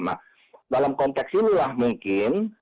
nah dalam konteks inilah mungkin